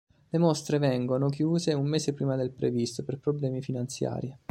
Le mostre vengono chiuse un mese prima del previsto per problemi finanziari.